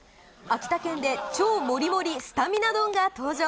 秋田県で超もりもりスタミナ丼が登場。